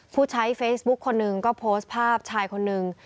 ผู้ใช้เฟซบุ๊คคนหนึ่งก็โพสต์ภาพชายคนนึง